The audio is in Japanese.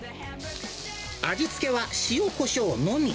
味付けは塩こしょうのみ。